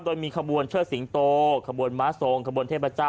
โดยมีขบวนเชิดสิงโตขบวนม้าทรงขบวนเทพเจ้า